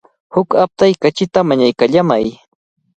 Huk aptay kachita mañaykallamay.